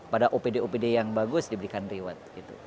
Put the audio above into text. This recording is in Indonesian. pada opd opd yang bagus diberikan reward